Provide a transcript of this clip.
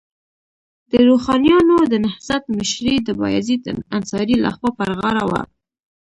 د روښانیانو د نهضت مشري د بایزید انصاري لخوا پر غاړه وه.